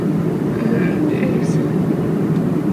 Le coup réussit.